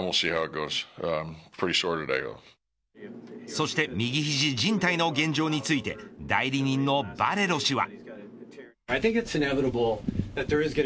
そして右肘靱帯の現状について代理人のバレロ氏は。